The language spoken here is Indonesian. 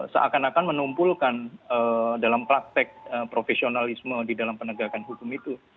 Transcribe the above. seakan akan menumpulkan dalam praktek profesionalisme di dalam penegakan hukum itu